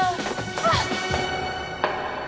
あっ！